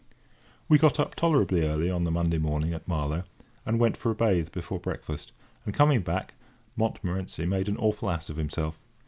We got up tolerably early on the Monday morning at Marlow, and went for a bathe before breakfast; and, coming back, Montmorency made an awful ass of himself.